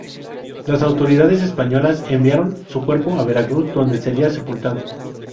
Las autoridades españolas enviaron su cuerpo a Veracruz, donde sería sepultado.